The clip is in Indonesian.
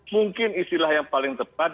mungkin istilah yang paling tepat